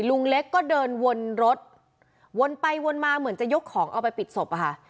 ลุงเล็กก็เดินวนรถวนไปวนมาเหมือนจะยกของเอาไปปิดศพอะค่ะ